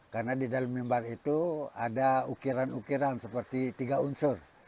karena di dalam mimbar itu ada ukiran ukiran seperti tiga unsur